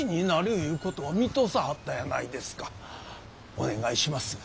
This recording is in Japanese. お願いします！